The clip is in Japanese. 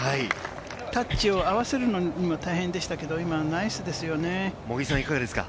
タッチを合わせるのも大変でしたけれど、今のはナイスですよね。